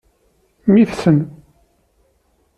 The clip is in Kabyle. Mmi-tsen.